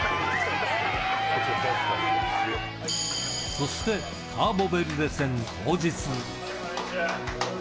そしてカーボベルデ戦当日。